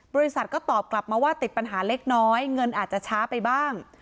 บริษัทก็ตอบกลับมาว่าติดปัญหาเล็กน้อยเงินอาจจะช้าไปบ้าง